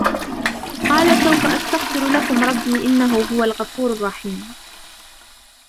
قال سوف أستغفر لكم ربي إنه هو الغفور الرحيم